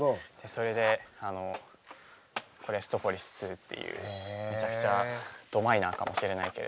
それで「エストポリスⅡ」っていうめちゃくちゃどマイナーかもしれないけれども。